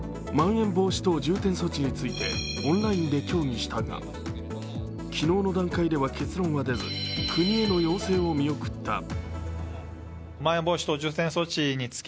まん延防止等重点措置についてオンラインで協議したが昨日の段階では結論は出ず国への要請を見送った。